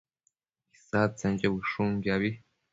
isadtsenquio bëshuquiabi